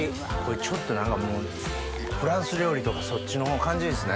ちょっとフランス料理とかそっちの感じですね。